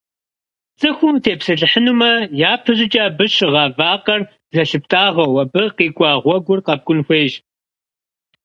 Цӏыхум утепсэлъыхьынумэ, япэщӏыкӏэ абы щыгъа вакъэр зылъыптӏагъэу, абы къикӏуа гъуэгур къэпкӏун хуейщ.